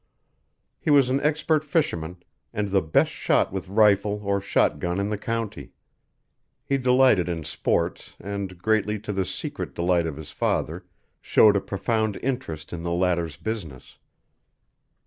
He was an expert fisherman, and the best shot with rifle or shot gun in the county; he delighted in sports and, greatly to the secret delight of his father showed a profound interest in the latter's business.